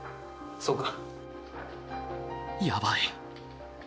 そうか。